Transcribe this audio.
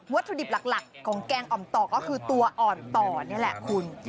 ถุดิบหลักของแกงอ่อมต่อก็คือตัวอ่อนต่อนี่แหละคุณ